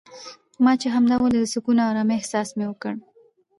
ما چې همدا ولید د سکون او ارامۍ احساس مې وکړ.